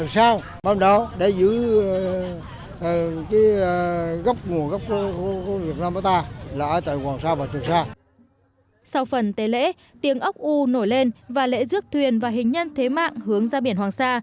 sau phần tế lễ tiếng ốc u nổi lên và lễ rước thuyền và hình nhân thế mạng hướng ra biển hoàng sa